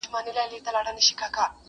ما خالي انګړ ته وکړل له ناکامه سلامونه،